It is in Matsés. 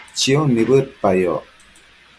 chiun nibëdpayoc